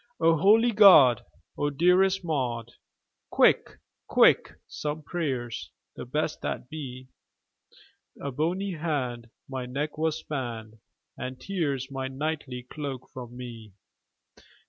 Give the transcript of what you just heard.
"O holy God! O dearest Maud, Quick, quick, some prayers, the best that be! A bony hand my neck has spanned, And tears my knightly cloak from me!"